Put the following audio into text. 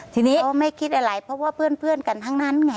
ทีนี้ก็ไม่คิดอะไรเพราะว่าเพื่อนกันทั้งนั้นไง